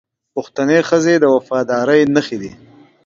پښتنې ښځې د وفادارۍ نښې دي